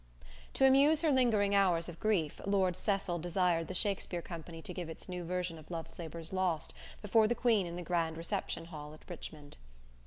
_ To amuse her lingering hours of grief Lord Cecil desired the Shakspere Company to give its new version of "Love's Labor's Lost" before the Queen in the grand reception hall at Richmond.